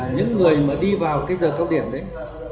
những người mà đi vào cái giờ cao điểm đấy